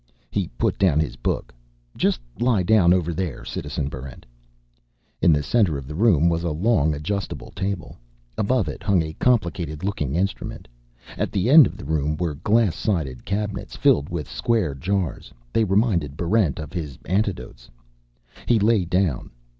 He put down his book. "Just lie down over there, Citizen Barrent." In the center of the room was a long, adjustable table. Above it hung a complicated looking instrument. At the end of the room were glass sided cabinets filled with square jars; they reminded Barrent of his antidotes. He lay down.